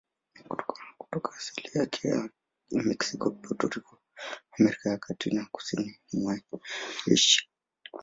Kutoka asili yake ya Meksiko, Puerto Rico, Amerika ya Kati na kusini mwa Asia.